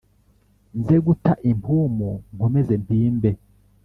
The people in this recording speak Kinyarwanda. nze guta impumu nkomeze mpimbe